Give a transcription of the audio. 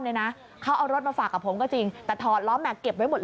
เนี่ยนะเขาเอารถมาฝากกับผมก็จริงแต่ถอดล้อแม็กซเก็บไว้หมดเลย